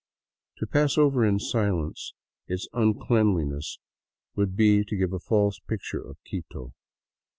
To pass over in silence its uncleanliness would be to give a false picture of Quito.